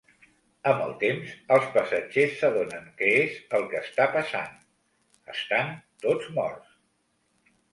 Amb el temps, els passatgers s’adonen que és el que està passant: estan tots morts.